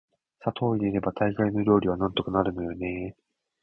砂糖を入れれば大概の料理はなんとかなるのよね～